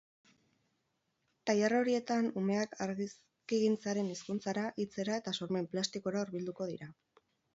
Tailer horietan, umeak argazkigintzaren hizkuntzara, hitzera eta sormen plastikora hurbilduko dira.